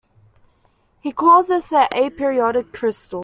He calls this an aperiodic crystal.